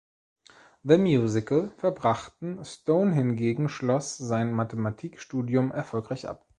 The Musical" verbrachten, Stone hingegen schloss sein Mathematikstudium erfolgreich ab.